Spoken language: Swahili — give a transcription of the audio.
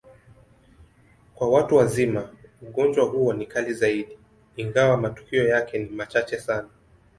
Kwa watu wazima, ugonjwa huo ni kali zaidi, ingawa matukio yake ni machache sana.